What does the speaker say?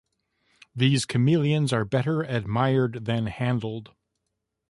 These chameleons are better admired than handled.